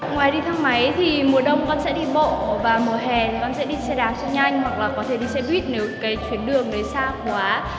ngoài đi thang máy thì mùa đông con sẽ đi bộ và mùa hè thì con sẽ đi xe đạp cho nhanh hoặc là có thể đi xe buýt nếu cái chuyến đường đấy xa quá